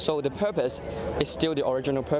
jadi tujuan masih menjadi tujuan asal